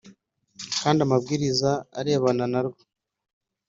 kandi amabwiriza arebana na rwo